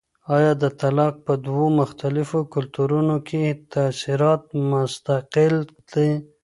آیا د طلاق په دوو مختلفو کلتورونو کي تاثیرات مستقل دي؟